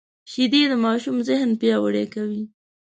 شیدې د ماشوم ذهن پیاوړی کوي